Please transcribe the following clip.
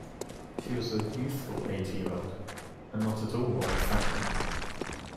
She was a youthful eighty-year-old, and not at all old-fashioned.